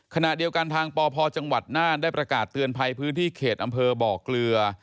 ขณะเดียวกันทางปพจังหวัดน่านได้ประกาศเตือนภัยพื้นที่เขตอำเภอบ่อเกลือ